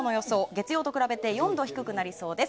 月曜と比べて４度低くなりそうです。